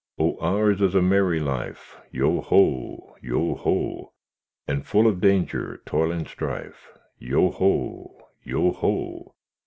Oh! ours is a merry life, Yoho! yoho! And full of danger, toil, and strife, Yoho! yoho!